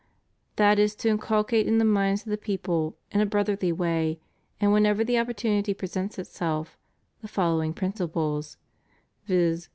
That is to in culcate in the minds of the people, in a brotherly way and whenever the opportunity presents itself, the follow ing principles, viz.